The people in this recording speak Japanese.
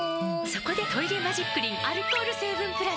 そこで「トイレマジックリン」アルコール成分プラス！